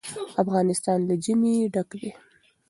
افغانستان له ژمی ډک دی.